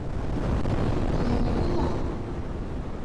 Пален отыл мо?